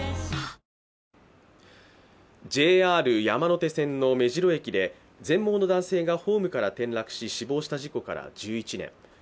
ＪＲ山手線の目白駅で全盲の男性がホームから転落し、死亡した事故から１１年。